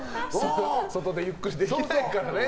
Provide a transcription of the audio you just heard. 外でゆっくりできないからね。